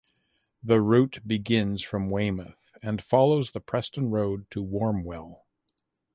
The route begins from Weymouth and follows the Preston road to Warmwell.